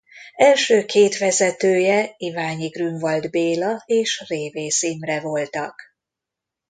Első két vezetője Iványi-Grünwald Béla és Révész Imre voltak.